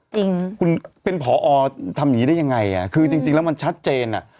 จริงคุณเป็นผอทำอย่างนี้ได้ยังไงอ่ะคือจริงแล้วมันชัดเจนอ่ะ